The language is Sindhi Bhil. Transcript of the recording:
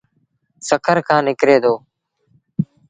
سکر کآݩ نڪري دو۔